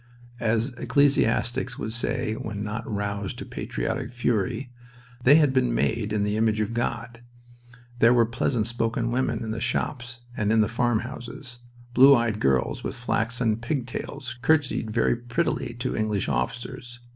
As ecclesiastics would say when not roused to patriotic fury, they had been made "in the image of God." There were pleasant spoken women in the shops and in the farmhouses. Blue eyed girls with flaxen pigtails courtesied very prettily to English officers.